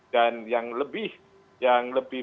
dan yang lebih